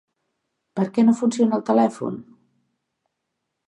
Per què no funciona el telèfon?